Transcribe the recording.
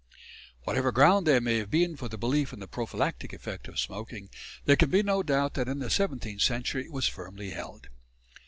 Whatever ground there may have been for the belief in the prophylactic effect of smoking, there can be no doubt that in the seventeenth century it was firmly held.